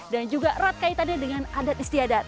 dan juga erat kaitannya dengan adat istiadat